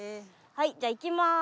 はいじゃあいきます。